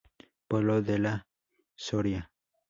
Pueblo de la Soria.